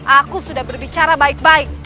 aku sudah berbicara baik baik